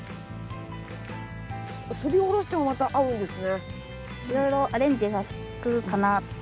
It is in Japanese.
すりおろしてもまた合うんですね。